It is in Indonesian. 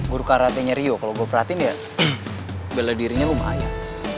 buru karate nya rio kalau gue perhatiin ya bela dirinya lumayan